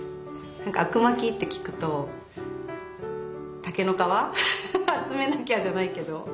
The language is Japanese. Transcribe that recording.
「あくまき」って聞くと竹の皮集めなきゃじゃないけど。